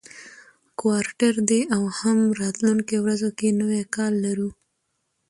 کوارټر دی او هم راتلونکو ورځو کې نوی کال لرو،